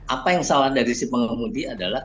apa yang salah dari si pengemudi adalah